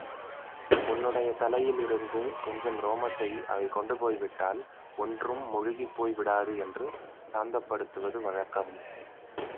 உன்னுடைய தலையில் இருந்து கொஞ்சம் ரோமத்தை அவை கொண்டு போய்விட்டால் ஒன்றும் முழுகிப்போய் விடாது என்று சாந்தப்படுத்துவது வழக்கம்.